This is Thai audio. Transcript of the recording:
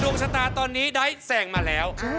ชะตาตอนนี้ได้แสงมาแล้ว